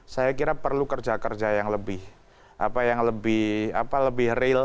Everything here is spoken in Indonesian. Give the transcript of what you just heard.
saya kira perlu kerja kerja yang lebih real